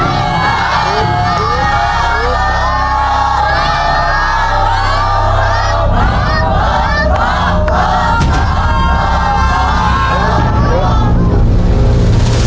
ภาพ